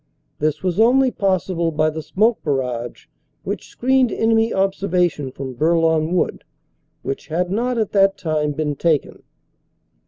This was only possible by the smoke barrage which screened enemy observation from Bourlon Wood, which had not at that time been taken.